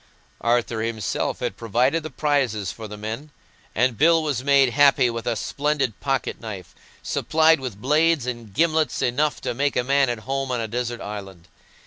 Arthur himself had provided the prizes for the men, and Bill was made happy with a splendid pocket knife, supplied with blades and gimlets enough to make a man at home on a desert island.